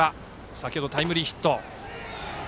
先ほどタイムリーヒット。